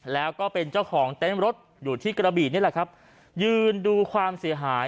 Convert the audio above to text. แล้วก็เป็นเจ้าของเต้นรถอยู่ที่กระบีนี่แหละครับยืนดูความเสียหาย